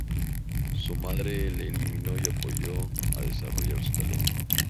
Su madre le animó y apoyó a desarrollar su talentos.